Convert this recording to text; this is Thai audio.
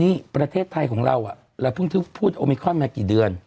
นี่ประเทศไทยของเราเราเพิ่งพูดโอมิคอนมากี่เดือน